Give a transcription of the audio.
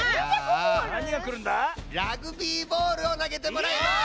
ラグビーボールをなげてもらいます！